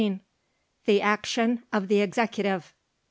THE ACTION OF THE EXECUTIVE.